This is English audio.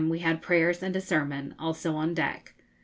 we had prayers and a sermon, also on deck.